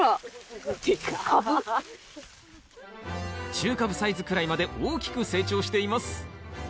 中カブサイズくらいまで大きく成長しています。